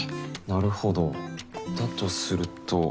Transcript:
なるほどだとすると。